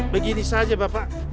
begini saja bapak